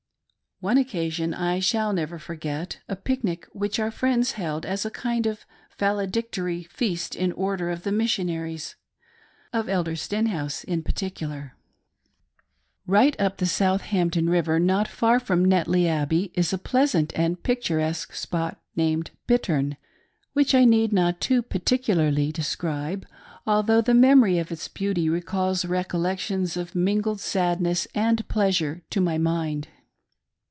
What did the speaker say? One occasion I shall never forget — a pic nic which our friends held as a kind of valedictory feast in honor of the missionaries — of Elder Stenhouse in particular. A PARTING PIC NIC AT BITTERN. 95 Right up the Southampton River, not' far from Netley Abbey, is a pleasant and picturesque spot named Bittern, which I need not too particularly describe, although the memory of its beauty recalls recollections of mingled sadness and pleasure to my mind.